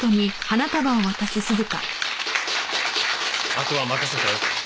あとは任せたよ。